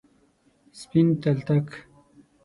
سپین تلتک،